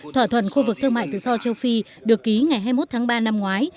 thỏa thuận khu vực thương mại tự do châu phi được ký ngày hai mươi một tháng ba năm ngoái